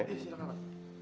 iya silakan pak